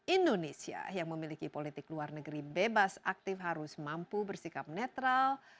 indonesia yang memiliki politik luar negeri bebas aktif harus mampu bersikap netral